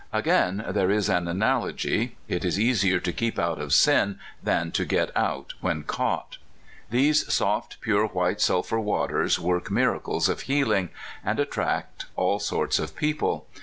Again, there is an analogy: it is easier to keep out of sin than to get out when caught. These soft, pure white sulphur waters work miracles of healing, and at tract all sorts of people.